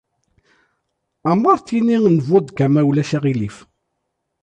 Amartini n vodka, ma ulac aɣilif.